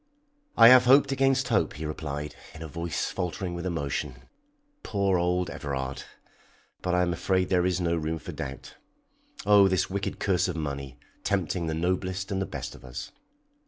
"I have hoped against hope," he replied, in a voice faltering with emotion. "Poor old Everard! But I am afraid there is no room for doubt. Oh, this wicked curse of money tempting the noblest and the best of us."